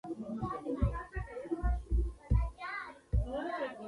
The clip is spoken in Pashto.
سمیت ته هدایت ورکړ چې د حملې اهدافو په باره کې اطلاع ورکړي.